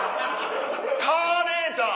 カーレーター。